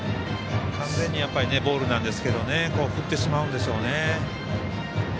完全にボールなんですけど振ってしまうんでしょうね。